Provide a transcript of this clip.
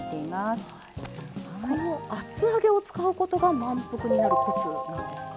ここも厚揚げを使うことがまんぷくになるコツなんですか？